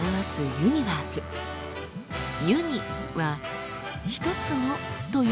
「ユニ」は「一つの」という意味です。